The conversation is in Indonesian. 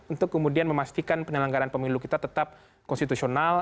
untuk kemudian memastikan penyelenggaran pemilu kita tetap konstitusional